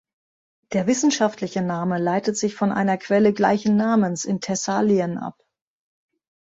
Der wissenschaftliche Name leitet sich von einer Quelle gleichen Namens in Thessalien ab.